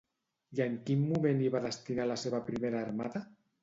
I en quin moment hi van destinar la seva primera armada?